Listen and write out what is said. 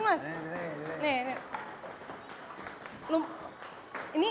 oh gak seperti ini